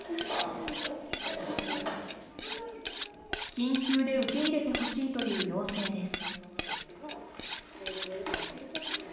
緊急で受け入れてほしいという要請です。